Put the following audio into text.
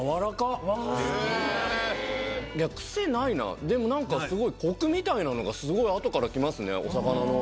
いや癖ないなでも何かコクみたいなのがすごい後から来ますねお魚の。